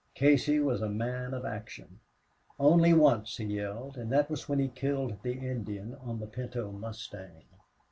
Casey was a man of action. Only once he yelled, and that was when he killed the Indian on the pinto mustang.